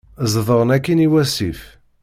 Zedɣen akkin i wasif.